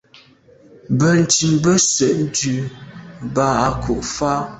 Benntùn be se’ ndù ba’ à kù fa.